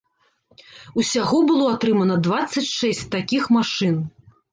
Усяго было атрымана дваццаць шэсць такіх машын.